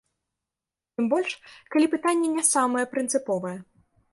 Тым больш, калі пытанне не самае прынцыповае.